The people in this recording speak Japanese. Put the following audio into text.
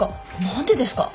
何でですか？